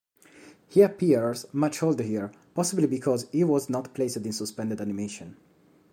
He appears much older here, possibly because he was not placed in suspended animation.